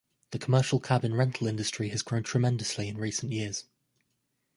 The commercial cabin rental industry has grown tremendously in recent years.